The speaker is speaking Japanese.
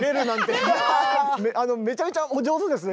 あのめちゃめちゃお上手ですね